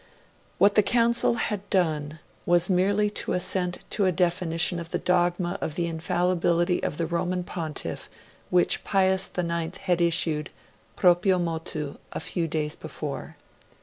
What the Council had done was merely to assent to a definition of the dogma of the Infallibility of the Roman Pontiff which Pius IX had issued, proprio motu, a few days before.